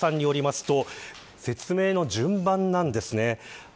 鈴鹿さんによりますと説明の順番なんですね。